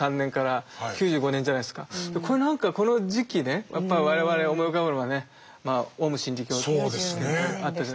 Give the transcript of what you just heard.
これなんかこの時期ねやっぱり我々思い浮かぶのはねオウム真理教あったじゃないですか。